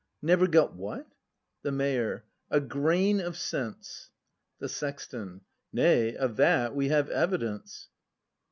Never got what? The Mayor. • A grain of sense. The Sexton. Nay, of that we have evidence!